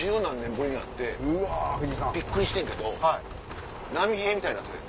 ビックリしてんけど波平みたいになっててん。